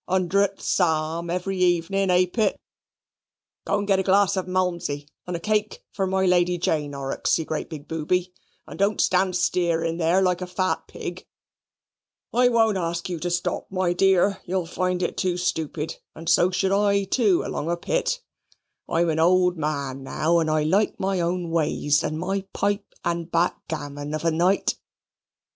Hundredth Psalm, Evening Hymn, hay Pitt? Go and get a glass of Malmsey and a cake for my Lady Jane, Horrocks, you great big booby, and don't stand stearing there like a fat pig. I won't ask you to stop, my dear; you'll find it too stoopid, and so should I too along a Pitt. I'm an old man now, and like my own ways, and my pipe and backgammon of a night."